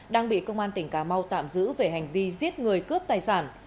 đang bị công an tỉnh cà mau tạm giữ về hành vi giết người cướp tài sản